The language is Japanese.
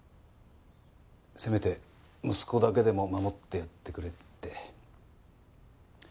せめて息子だけでも守ってやってくれって。